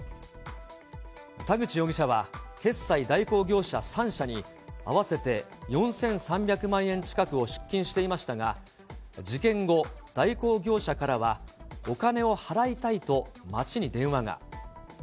田口容疑者は、決済代行業者３社に、合わせて４３００万円近くを出金していましたが、事件後、代行業者からはお金を払いたいと町に電話が。